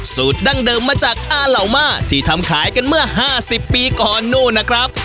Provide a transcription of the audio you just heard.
ดั้งเดิมมาจากอาเหล่าม่าที่ทำขายกันเมื่อ๕๐ปีก่อนนู่นนะครับ